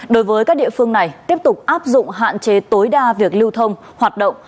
đối với các địa phương này tiếp tục áp dụng hạn chế tối đa việc lưu thông hoạt động